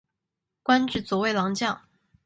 官至左卫郎将。